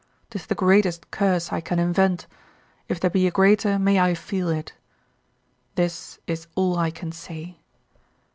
'Tis the greatest curse I can invent; if there be a greater, may I feel it. This is all I can say.